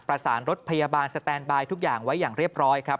ประสานรถพยาบาลสแตนบายทุกอย่างไว้อย่างเรียบร้อยครับ